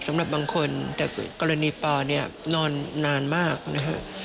สำหรับบางคนแต่กรณีปอเนี่ยนอนนานมากนะฮะ